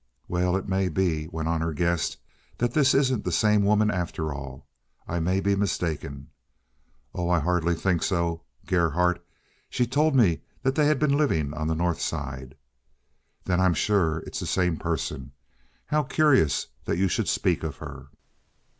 "Well, it may be," went on her guest, "that this isn't the same woman after all. I may be mistaken." "Oh, I hardly think so. Gerhardt! She told me they had been living on the North Side." "Then I'm sure it's the same person. How curious that you should speak of her!"